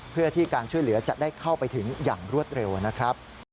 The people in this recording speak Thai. เพื่อที่การช่วยเหลือจะได้เข้าไปถึงอย่างรวดเร็วนะครับ